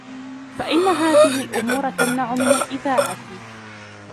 فَإِنَّ هَذِهِ الْأُمُورَ تَمْنَعُ مِنْ الْإِذَاعَةِ